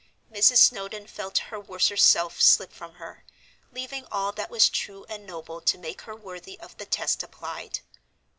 Mrs. Snowdon felt her worser self slip from her, leaving all that was true and noble to make her worthy of the test applied.